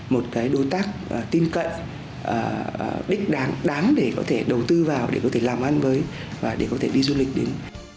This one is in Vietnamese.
một cái đối tác tin cận đích đáng để có thể đầu tư vào để có thể làm ăn với để có thể đi du lịch đến